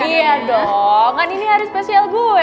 iya dong kan ini hari spesial gue